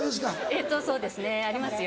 えっとそうですねありますよ。